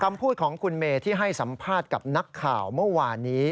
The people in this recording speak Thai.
คำพูดของคุณเมย์ที่ให้สัมภาษณ์กับนักข่าวเมื่อวานนี้